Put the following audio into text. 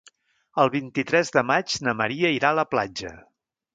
El vint-i-tres de maig na Maria irà a la platja.